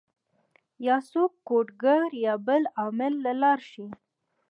يا څوک کوډ ګر يا بل عامل له لاړ شي